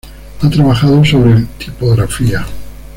Ha trabajado sobre tipografía.